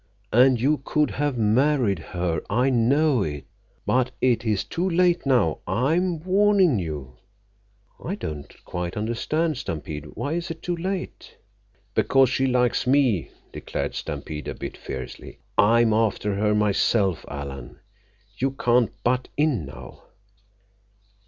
And you could have married her. I know it. But it's too late now. I'm warnin' you." "I don't quite understand, Stampede. Why is it too late?" "Because she likes me," declared Stampede a bit fiercely. "I'm after her myself, Alan. You can't butt in now."